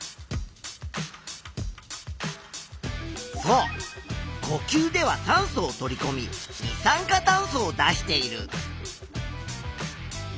そうこきゅうでは酸素を取りこみ二酸化炭素を出している。